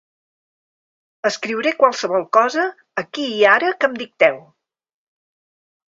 Escriuré qualsevol cosa, aquí i ara, que em dicteu.